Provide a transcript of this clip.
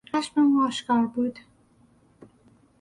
خشم او آشکار بود.